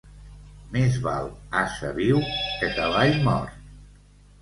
Més val ase viu que cavall mort.